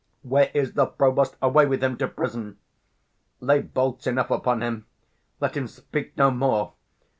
Where is the provost? Away with him to prison! lay bolts enough upon him: let him speak no more.